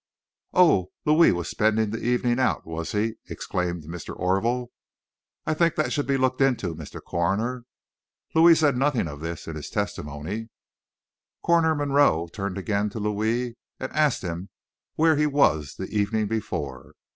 "Oh, Louis was spending the evening out, was he?" exclaimed Mr. Orville. "I think that should be looked into, Mr. Coroner. Louis said nothing of this in his testimony." Coroner Monroe turned again to Louis and asked him where he was the evening before.